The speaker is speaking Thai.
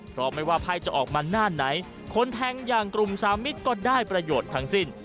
เพราะไม่ว่าไพ่จะออกมาหน้าไหนคนแทงอย่างกลุ่มสามิตรก็ได้ประโยชน์ทั้งสิ้น